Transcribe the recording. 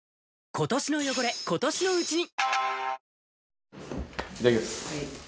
今年の汚れ、今年のうちに。